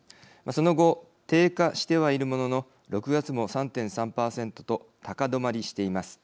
その後、低下してはいるものの６月も３．３％と高止まりしています。